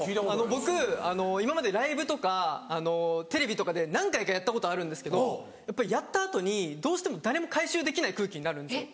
僕今までライブとかテレビとかで何回かやったことあるんですけどやっぱりやった後にどうしても誰も回収できない空気になるんですよ。